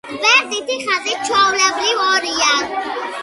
გვერდითი ხაზი ჩვეულებრივ ორია.